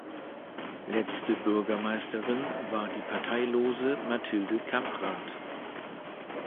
Letzte Bürgermeisterin war die parteilose Mathilde Kamprad.